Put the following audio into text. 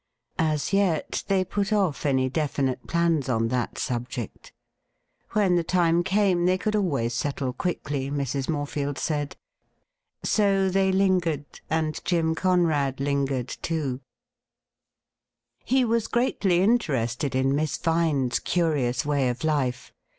As yet they put off any definite plans on that subject. When the time came, they could always settle quickly, Mrs. Morefield said. So they lingered, and Jim Conrad lingered, too. MR. MARMADUICE COFFIN 65 He was greatly interested in Miss Vine's curious way of life.